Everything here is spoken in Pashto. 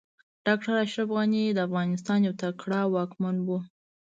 ډاکټر اشرف غني د افغانستان يو تکړه واکمن و